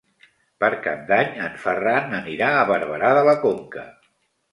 Per Cap d'Any en Ferran anirà a Barberà de la Conca.